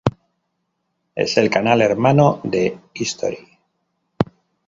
Es el canal hermano de History.